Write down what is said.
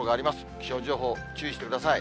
気象情報、注意してください。